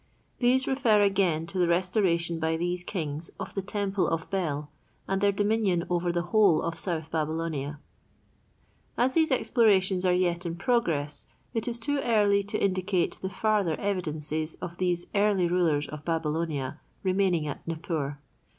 These refer again to the restoration by these kings of the temple of Bel and their dominion over the whole of South Babylonia. As these explorations are yet in progress, it is too early to indicate the farther evidences of these early rulers of Babylonia remaining at Nippur.